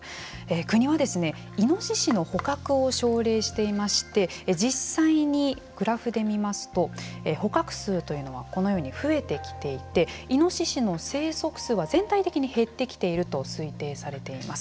国はイノシシの捕獲を奨励していまして実際にグラフで見ますと捕獲数というのはこのように増えてきていてイノシシの生息数は全体的に減ってきていると推定されています。